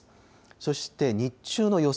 そして日中の予想